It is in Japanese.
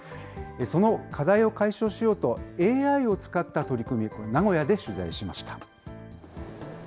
その課題を解消しようと、ＡＩを使った取り組み、これ名古屋で取材しました。